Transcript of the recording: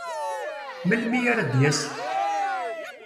Melmi ara d-yas?